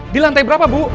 di lantai berapa bu